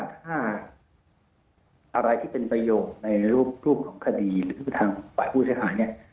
ถ้าอะไรที่เป็นประโยชน์ในรูปของคดีหรือทางฝ่ายผู้เสียหายเนี่ย